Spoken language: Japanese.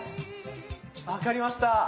分かりました。